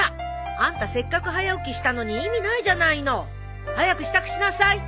あんたせっかく早起きしたのに意味ないじゃないの早く支度しなさい！